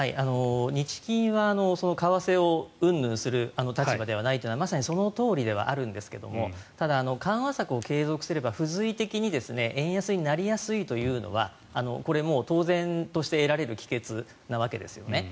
日銀は為替をうんぬんする立場ではないというのはまさにそのとおりではあるんですが緩和策を継続すれば付随的に円安になりやすいというのはこれもう、当然として得られる帰結なわけですね。